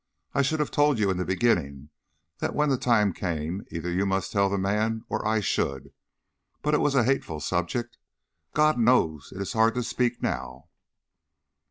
I should have told you in the beginning that when the time came either you must tell the man or I should; but it was a hateful subject. God knows it is hard to speak now."